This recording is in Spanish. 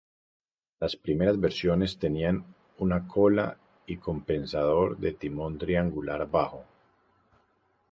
Las primeras versiones tenían una cola y compensador de timón triangular bajo.